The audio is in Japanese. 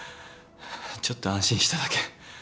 ちょっと安心しただけ。